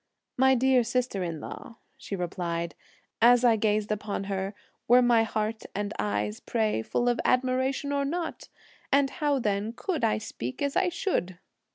"My dear sister in law," she replied, "as I gazed upon her, were my heart and eyes, pray, full of admiration or not? and how then could I speak as I should?"